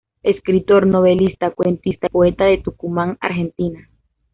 Escritor, novelista, cuentista y poeta de Tucumán, Argentina.